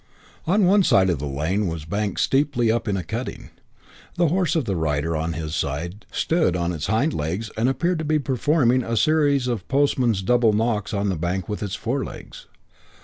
On one side the lane was banked steeply up in a cutting. The horse of the rider on this side stood on its hind legs and appeared to be performing a series of postman's double knocks on the bank with its forelegs.